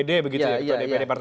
ketua dpd partai gerinda dki jakarta